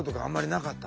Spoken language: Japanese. なかった。